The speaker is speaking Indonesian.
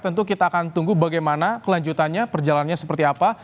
tentu kita akan tunggu bagaimana kelanjutannya perjalanannya seperti apa